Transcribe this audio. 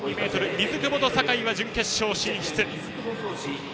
水久保と坂井は準決勝進出。